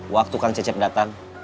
waktu kang cecep datang